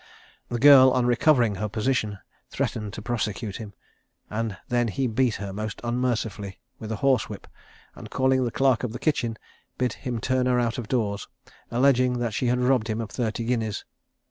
The girl, on recovering her position, threatened to prosecute him, and then he beat her most unmercifully with a horsewhip, and calling the clerk of the kitchen, bid him turn her out of doors, alleging that she had robbed him of thirty guineas.